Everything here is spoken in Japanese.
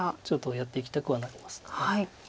ちょっとやっていきたくはなります。